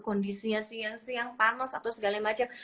kondisinya siang siang panas atau segala macem